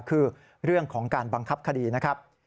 คือเรื่องของการบังคับคดีนะครับ